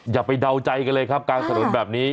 อย่าไปเดาใจกันเลยครับกลางถนนแบบนี้